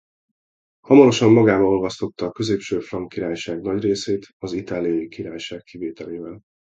Hamarosan magába olvasztotta a Középső Frank Királyság nagy részét az Itáliai Királyság kivételével.